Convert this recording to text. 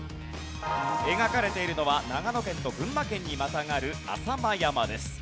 描かれているのは長野県と群馬県にまたがる浅間山です。